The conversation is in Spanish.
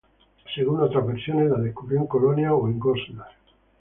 Según otras versiones, la descubrió en Colonia o en Goslar.